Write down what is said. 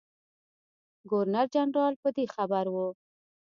ګورنر جنرال په دې خبر وو.